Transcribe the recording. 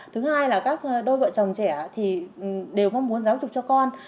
thứ hai là các đôi vợ chồng trẻ thì đều mong muốn giáo dục cho con